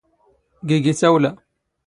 ⴳⵉⴳⵉ ⵜⴰⵡⵍⴰ.